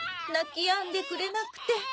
なきやんでくれなくて。